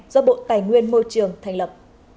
do bộ tài nguyên môi trường thành lập